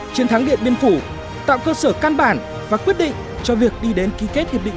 chiến thắng điện biên phủ tạo cơ sở căn bản và quyết định cho việc đi đến ký kết hiệp định